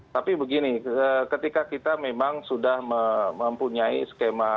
tapi begini ketika kita memang sudah mempunyai skema